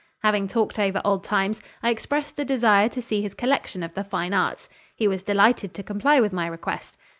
Having talked over old times, I expressed a desire to see his collection of the fine arts. He was delighted to comply with my request.